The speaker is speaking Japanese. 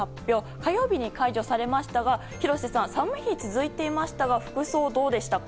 火曜日に解除されましたが廣瀬さん、寒い日が続いていましたが服装どうでしたか？